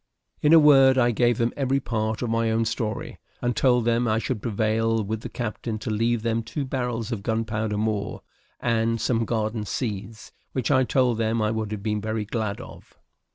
In a word, I gave them every part of my own story; and told them I should prevail with the captain to leave them two barrels of gunpowder more, and some garden seeds, which I told them I would have been very glad of.